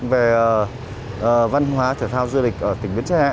về văn hóa trở thao du lịch ở tỉnh bến tre hạ